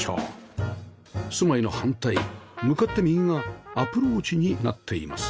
住まいの反対向かって右がアプローチになっています